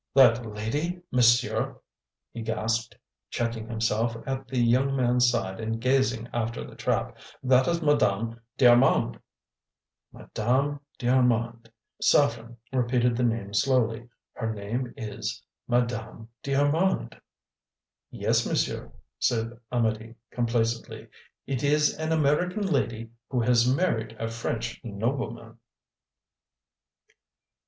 "That lady, monsieur?" he gasped, checking himself at the young man's side and gazing after the trap, "that is Madame d'Armand." "Madame d'Armand," Saffren repeated the name slowly. "Her name is Madame d'Armand." "Yes, monsieur," said Amedee complacently; "it is an American lady who has married a French nobleman."